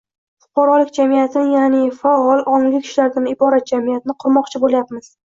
Fuqarolik jamiyatini, ya’ni faol, ongli kishilardan iborat jamiyatni qurmoqchi bo‘lyapmiz.